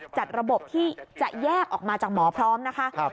จัดระบบที่จะแยกออกมาจากหมอพร้อมนะคะ